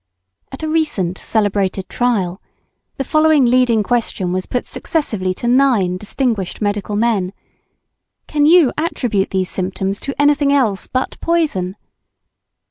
At a recent celebrated trial, the following leading question was put successively to nine distinguished medical men. "Can you attribute these symptoms to anything else but poison?"